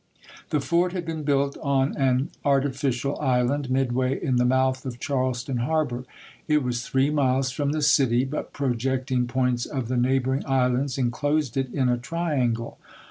The fort had been built on an artificial island midway in the mouth of Charleston harbor; it was three miles from the city, but projecting points of the neighboring islands inclosed it in a triangle.